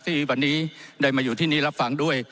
ที่วันนี้ได้มาอยู่ที่นี้รับฟังด้วย